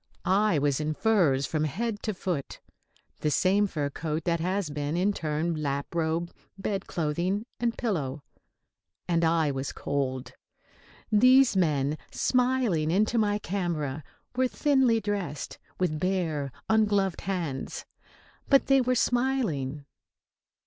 I was in furs from head to foot the same fur coat that has been, in turn, lap robe, bed clothing and pillow and I was cold. These men, smiling into my camera, were thinly dressed, with bare, ungloved hands. But they were smiling.